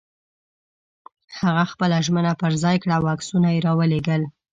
هغه خپله ژمنه پر ځای کړه او عکسونه یې را ولېږل.